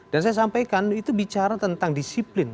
dan saya sampaikan itu bicara tentang disiplin